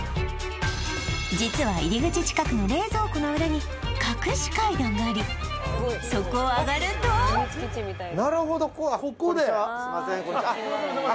実は入り口近くの冷蔵庫の裏に隠し階段がありそこを上がるとここですいませんお邪魔します